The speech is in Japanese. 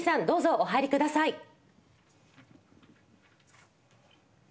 どうぞお入りください。